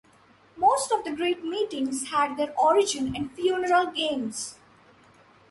Most of the great meetings had their origin in funeral games.